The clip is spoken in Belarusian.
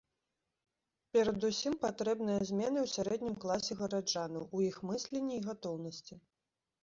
Перадусім патрэбныя змены ў сярэднім класе гараджанаў, у іх мысленні і гатоўнасці.